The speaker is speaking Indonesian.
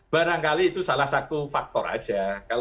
barangkali itu salah satu faktor aja